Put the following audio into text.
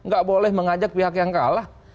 gak boleh mengajak pihak yang kalah